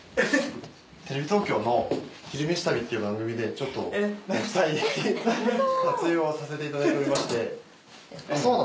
テレビ東京の「昼めし旅」という番組でちょっと撮影をさせていただいておりまして。